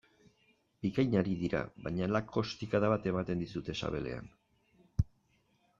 Bikain ari dira, baina halako ostikada bat ematen dizute sabelean...